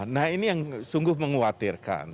nah ini yang sungguh mengkhawatirkan